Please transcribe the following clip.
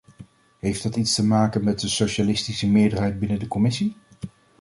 Heeft dat iets te maken met de socialistische meerderheid binnen de commissie?